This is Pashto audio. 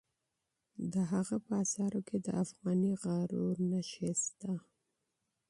د هغه په آثارو کې د افغاني غرور نښې شته.